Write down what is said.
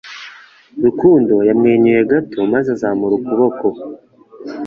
Rukundo yamwenyuye gato maze azamura ukuboko